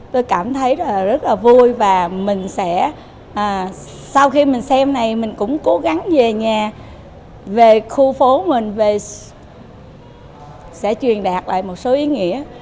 tôi cảm thấy rất là vui và mình sẽ sau khi mình xem này mình cũng cố gắng về nhà về khu phố mình sẽ truyền đạt lại một số ý nghĩa